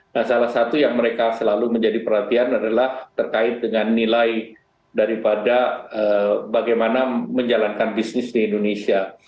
nah salah satu yang mereka selalu menjadi perhatian adalah terkait dengan nilai daripada bagaimana menjalankan bisnis di indonesia